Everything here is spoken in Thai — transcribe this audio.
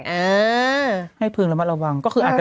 เออให้พึงระมัดระวังก็คืออาจจะ